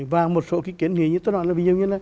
và một số cái kiến nghị như tôi nói là